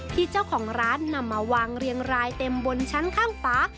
ที่เจ้าของร้านนำมาวางเรียงรายเต็มบนชั้นข้างฟ้า